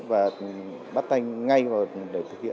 và đáp ứng được yêu cầu đặt ra